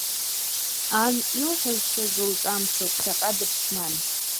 Ан, илҳәашаз лҿамшәо, ԥхьаҟа дыԥшуан.